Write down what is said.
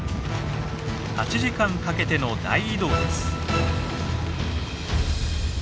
８時間かけての大移動です。